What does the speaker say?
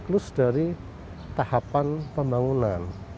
kiklus dari tahapan pembangunan